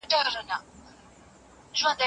صحتمند چاپېريال کورنۍ ته ګټه لري.